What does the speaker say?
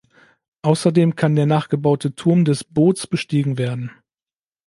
Außerdem kann der nachgebaute Turm des Boots bestiegen werden.